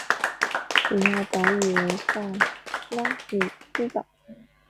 主要岛屿为萨拉米斯岛。